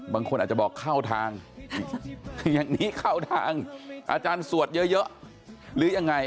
บางคนอาจจะบอกเข้าทางอย่างนี้เข้าทางอาจารย์สวดเยอะหรือยังไง